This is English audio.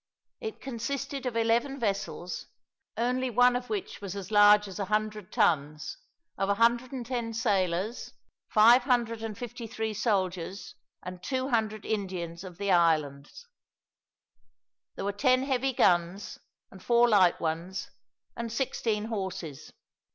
It consisted of eleven vessels, only one of which was as large as a hundred tons; of a hundred and ten sailors, five hundred and fifty three soldiers, and two hundred Indians of the islands. There were ten heavy guns and four light ones, and sixteen horses.